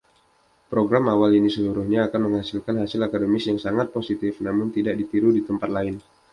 Program awal ini seluruhnya akan menghasilkan hasil akademis yang sangat positif, namun tidak ditiru di tempat lain.